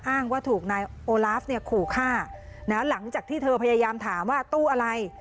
ว่าถูกนายโอลาฟเนี่ยขู่ฆ่าหลังจากที่เธอพยายามถามว่าตู้อะไร